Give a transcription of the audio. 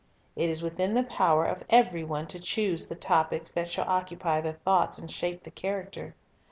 It is within the power of every one to choose the topics that shall occupy the thoughts and shape the character.